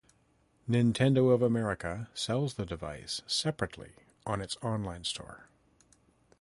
Nintendo of America sells the device separately on its online store.